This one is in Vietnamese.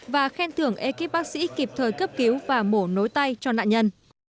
và khen thưởng ekip bác sĩ kịp thời cấp cứu và mổ nối tay cho nạn nhân